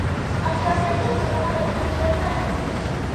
Actualmente juega para el club Ferro de Argentina.